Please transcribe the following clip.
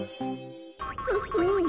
ううん。